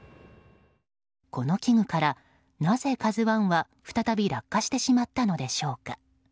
この器具からなぜ「ＫＡＺＵ１」は再び落下してしまったのでしょうか。